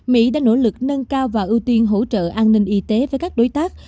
mỹ đã nỗ lực nâng cao và ưu tiên hỗ trợ an ninh y tế với các đối tác